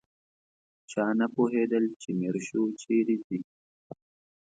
چا نه پوهېدل چې میرشو چیرې ځي.